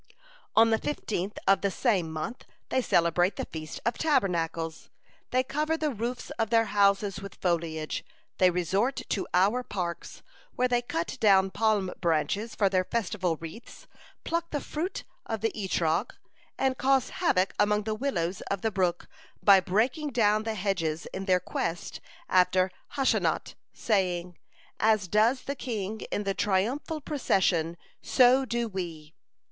"On the fifteenth of the same month they celebrate the Feast of Tabernacles. They cover the roofs of their houses with foliage, they resort to our parks, where they cut down palm branches for their festal wreaths, pluck the fruit of the Etrog, and cause havoc among the willows of the brook, by breaking down the hedges in their quest after Hosha'not, saying: 'As does the king in the triumphal procession, so do we.'